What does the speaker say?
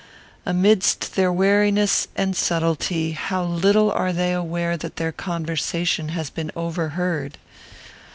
Amidst their wariness and subtlety, how little are they aware that their conversation has been overheard!